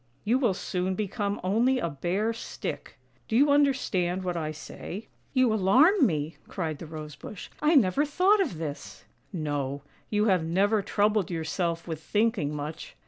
You will soon become only a bare stick. Do you understand what I say? " 116 THE SNAIL AND THE ROSE BUSH 117 " You alarm me," cried the Rose bush. " I never thought of this." " No, you have never troubled yourself with thinking much.